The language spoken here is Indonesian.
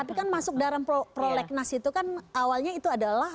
tapi kan masuk dalam prolegnas itu kan awalnya itu adalah